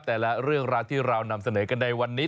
แต่ละเรื่องราวที่เรานำเสนอกันในวันนี้